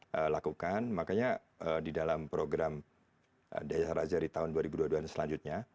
harus lakukan makanya di dalam program desy harajari tahun dua ribu dua puluh dua selanjutnya